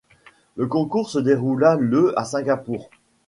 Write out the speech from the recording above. Le concours se déroula le à Singapour.